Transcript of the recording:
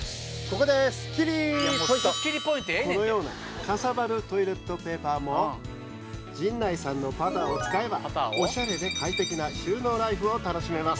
このようなかさばるトイレットペーパーも陣内さんのパターを使えばオシャレで快適な収納ライフを楽しめます。